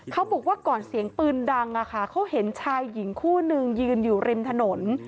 เขาบอกว่าก่อนเสียงปืนดังเขาเห็นชายหญิงคู่นึงยืนอยู่ริมถนน